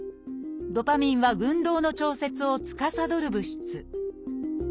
ドパミンは運動の調節をつかさどる物質。